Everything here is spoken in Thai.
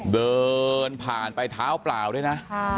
เดินผ่านไปเท้าเปล่าด้วยนะ